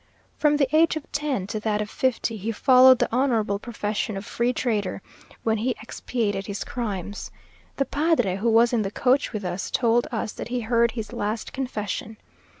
From the age of ten to that of fifty, he followed the honourable profession of free trader, when he expiated his crimes. The padre who was in the coach with us, told us that he heard his last confession.